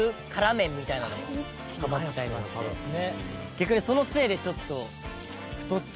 逆にそのせいでちょっと。